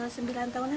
sembilan tahunan ada ya